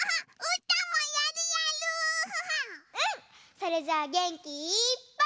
それじゃあげんきいっぱい。